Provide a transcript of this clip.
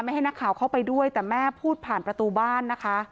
ให้นักข่าวเข้าไปด้วยแต่แม่พูดผ่านประตูบ้านนะคะ